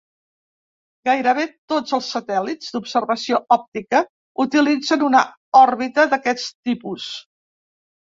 Gairebé tots els satèl·lits d'observació òptica utilitzen una òrbita d'aquest tipus.